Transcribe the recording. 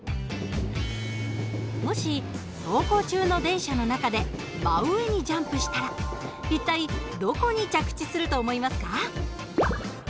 もし走行中の電車の中で真上にジャンプしたら一体どこに着地すると思いますか？